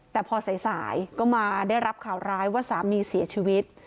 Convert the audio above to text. แต่พอสายก็มาได้รับข่าวร้ายว่าสามีเสียชีวิต